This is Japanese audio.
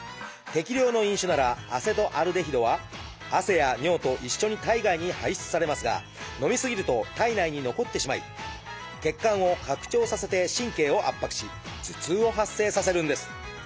適量の飲酒ならアセトアルデヒドは汗や尿と一緒に体外に排出されますが飲み過ぎると体内に残ってしまい血管を拡張させて神経を圧迫し頭痛を発生させるんです。